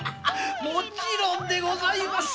もちろんでございます。